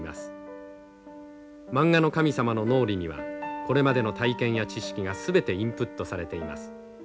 マンガの神様の脳裏にはこれまでの体験や知識が全てインプットされています。